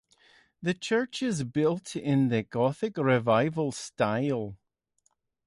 The church is built in the Gothic Revival style.